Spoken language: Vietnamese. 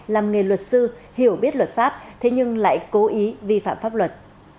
làm nghề luật sư hiểu biết luật pháp thế nhưng lại cố ý vi phạm pháp luật